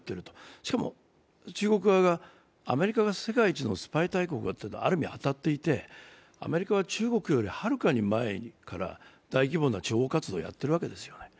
しかも中国側が、アメリカが世界一のスパイ大国だというのはある意味当たっていて、アメリカは中国よりはるかに前から大規模な諜報活動をやっているわけですよね。